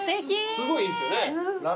すごいいいですよね。